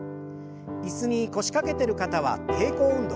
椅子に腰掛けてる方は抵抗運動。